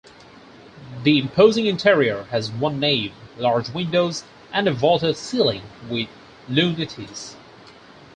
The imposing interior has one nave, large windows, and a vaulted ceiling with lunettes.